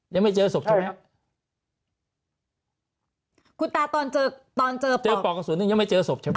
ยังไม่เจอศพใช่ไหมครับคุณตาตอนเจอตอนเจอเจอปอกกระสุนหนึ่งยังไม่เจอศพใช่ไหม